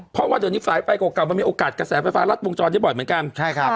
เพราะว่าตอนนี้ฝายไฟมันไม่มีโอกาสกระแสไฟฟ้ารักบ่งจรบ่อยเหมือนกัน